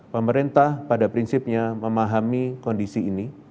pemerintah pada prinsipnya memahami kondisi ini